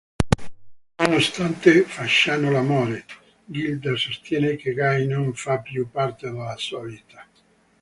Nonostante facciano l'amore, Gilda sostiene che Guy non fa più parte della sua vita.